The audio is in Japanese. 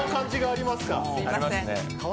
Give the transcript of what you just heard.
ありますね。